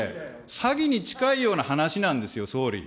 詐欺に近いような話なんですよ、総理。